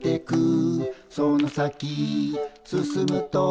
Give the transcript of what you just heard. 「その先進むと」